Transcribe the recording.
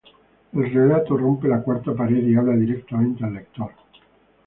El relato rompe la cuarta pared y habla directamente al lector.